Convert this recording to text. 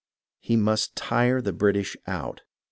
He must tire the British out.